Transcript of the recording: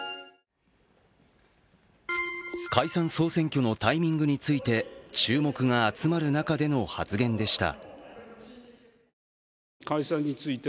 解散総選挙のタイミングについて注目が集まる中での発言でした。